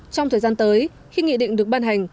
trong thời gian tới khi nghị định được ban hành